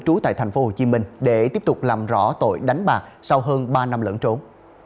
trú tại tp hcm để tiếp tục làm rõ tội đánh bạc sau hơn ba năm lẫn trốn